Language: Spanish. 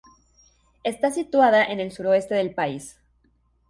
Está situada en el suroeste del país.